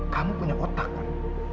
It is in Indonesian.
kamu punya otak kan